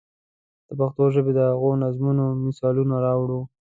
د پښتو ژبې د هغو نظمونو مثالونه راوړو.